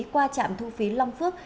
qua trạm thu phí long phước